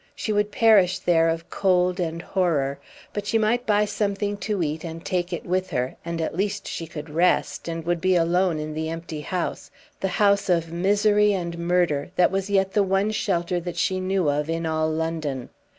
She would perish there of cold and horror; but she might buy something to eat, and take it with her; and at least she could rest, and would be alone, in the empty house, the house of misery and murder, that was yet the one shelter that she knew of in all London.